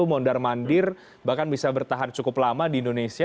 karena itu mondar mandir bahkan bisa bertahan cukup lama di indonesia